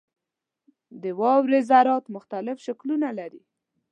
• د واورې ذرات مختلف شکلونه لري.